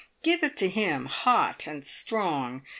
Give it to him hot and strong!